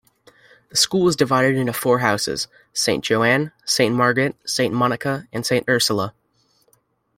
The school was divided into four houses- St.Joan, St.Margaret, St.Monica and St.Ursula.